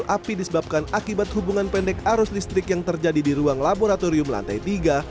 api disebabkan akibat hubungan pendek arus listrik yang terjadi di ruang laboratorium lantai tiga